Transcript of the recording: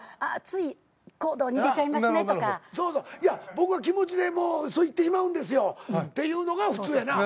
僕は気持ちでいってしまうんですよっていうのが普通やな。